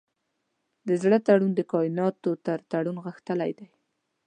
د زړه تړون د کایناتو تر تړون غښتلی دی.